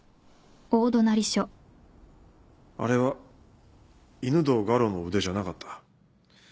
あれは犬堂我路の腕じゃなかった。